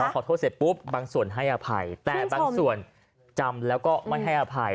ขอโทษเสร็จปุ๊บบางส่วนให้อภัยแต่บางส่วนจำแล้วก็ไม่ให้อภัย